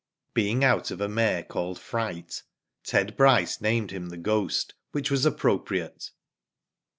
Being out of a mare called Fright, Ted Bryce named him The Ghost, which was appropriate.